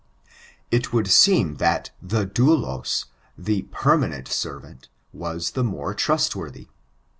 It would seem that the doulos, the permanent servant, was the more trustworthy.